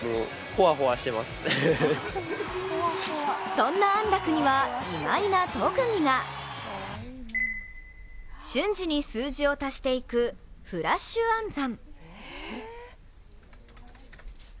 そんな安楽には、意外な特技が瞬時に数字を足していくフラッシュ暗算。